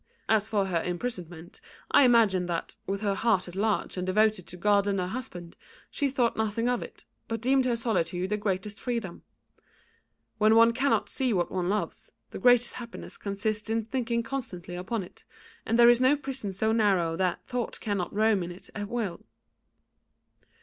As for her imprisonment, I imagine that, with her heart at large and devoted to God and her husband, she thought nothing of it, but deemed her solitude the greatest freedom. When one cannot see what one loves, the greatest happiness consists in thinking constantly upon it, and there is no prison so narrow that thought cannot roam in it at will."